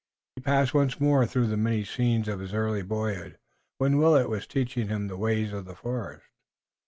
He passed once more through many scenes of his early boyhood when Willet was teaching him the ways of the forest.